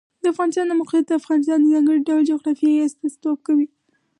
د افغانستان د موقعیت د افغانستان د ځانګړي ډول جغرافیه استازیتوب کوي.